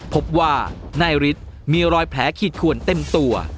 พบว่านายฤทธิ์มีรอยแผลขีดขวนเต็มตัว